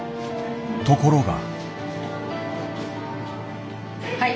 ところが。